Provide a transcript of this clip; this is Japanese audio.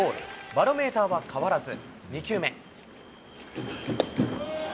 バロメーターは変わらず。